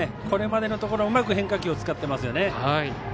これまでのところうまく変化球を使ってますね。